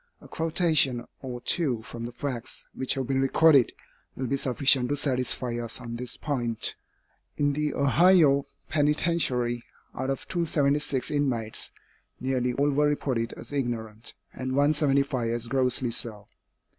A quotation or two from the facts which have been recorded, will be sufficient to satisfy us on this point. In the Ohio penitentiary, out of 276 inmates, nearly all were reported as ignorant, and 175 as grossly so.